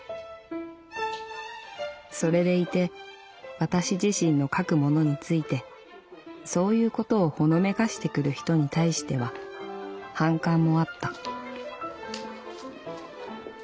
それでいて私自身の書くものについてそういうことを仄めかしてくる人に対しては反感もあった」。